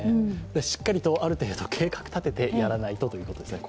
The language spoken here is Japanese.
しっかりと、ある程度計画を立ててやらないとということですね。